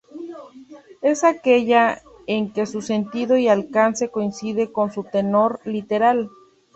Es aquella en que su sentido y alcance coincide con su tenor literal.